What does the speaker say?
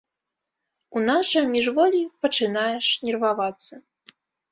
У нас жа міжволі пачынаеш нервавацца.